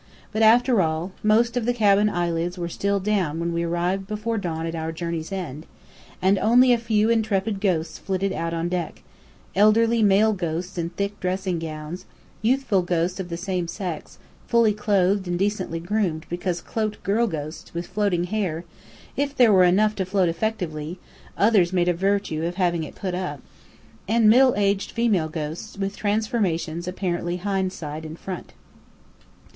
But after all, most of the cabin eyelids were still down when we arrived before dawn at our journey's end, and only a few intrepid ghosts flitted out on deck; elderly male ghosts in thick dressing gowns: youthful ghosts of the same sex, fully clothed and decently groomed because of cloaked girl ghosts, with floating hair (if there were enough to float effectively: others made a virtue of having it put up): and middle aged female ghosts, with transformations apparently hind side in front.